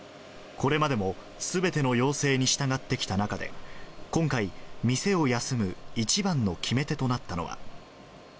これまでもすべての要請に従ってきた中で、今回、店を休む一番の決め手となったのは。